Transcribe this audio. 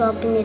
tapi aku suka